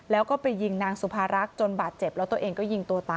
ได้คิดก็ก่อนที่ไหนมันยิงแล้วระ